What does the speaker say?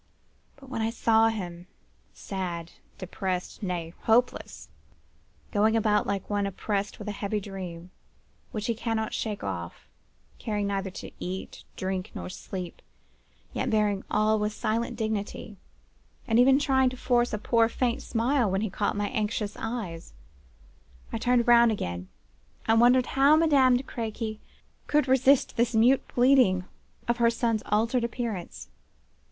But when I saw him—sad, depressed, nay, hopeless—going about like one oppressed by a heavy dream which he cannot shake off; caring neither to eat, drink, nor sleep, yet bearing all with silent dignity, and even trying to force a poor, faint smile when he caught my anxious eyes; I turned round again, and wondered how Madame de Crequy could resist this mute pleading of her son's altered appearance.